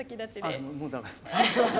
あもう駄目。